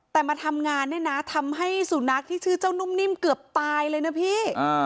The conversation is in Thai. แต่มาทำงานเนี่ยนะทำให้สุนัขที่ชื่อเจ้านุ่มนิ่มเกือบตายเลยนะพี่